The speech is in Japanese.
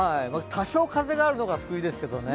多少風があるのが救いですけどね。